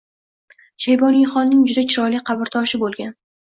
Shayboniyxonning juda chiroyli qabrtoshi bo‘lgan